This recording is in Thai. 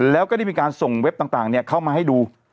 แล้วก็ได้มีการส่งเว็บต่างเข้ามาให้ดู